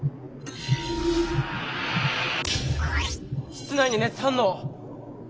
室内に熱反応。